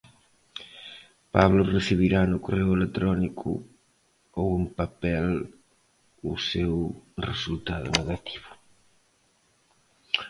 Pablo recibirá no correo electrónico ou en papel o seu resultado negativo.